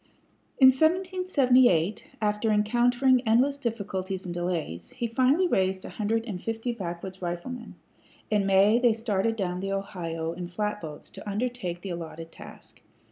In 1778, after encountering endless difficulties and delays, he finally raised a hundred and fifty backwoods riflemen. In May they started down the Ohio in flatboats to undertake the allotted task.